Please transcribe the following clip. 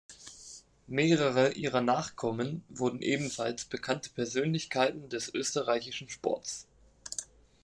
Mehrere ihrer Nachkommen wurden ebenfalls bekannte Persönlichkeiten des österreichischen Sports.